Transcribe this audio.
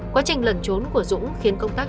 quá trình lần trốn của dũng khiến công tác